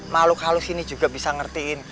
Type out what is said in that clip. makhluk halus ini juga bisa ngertiin